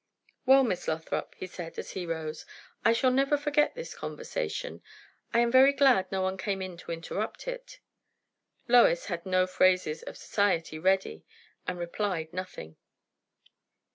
"Well, Miss Lothrop," he said as he rose, "I shall never forget this conversation. I am very glad no one came in to interrupt it." Lois had no phrases of society ready, and replied nothing.